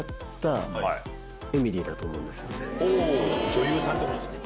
女優さんってことですか？